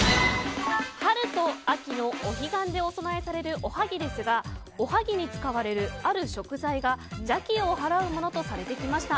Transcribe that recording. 春と秋のお彼岸でお供えされるおはぎですがおはぎに使われるある食材が邪気を払うものとされてきました。